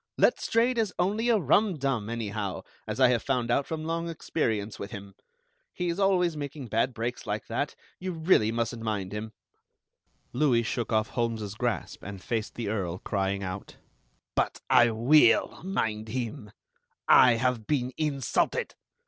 Letstrayed is only a rumdum, anyhow, as I have found out from long experience with him. He's always making bad breaks like that. You really mustn't mind him." Louis shook off Holmes's grasp, and faced the Earl, crying out: "But I will mind him. I have been insulted.